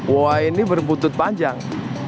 wah ini berbutut panjang